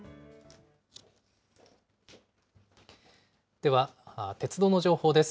では鉄道の情報です。